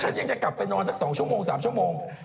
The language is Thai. เดี๋ยวอยากจะกลับไปนอนก็ไหนสักสองชั่วโมงสามชั่วโมง